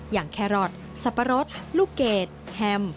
อย่างแครอทสับปะรดลูกเกรดแฮม